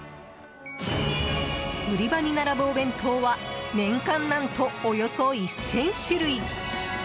売り場に並ぶお弁当は年間、何とおよそ１０００種類。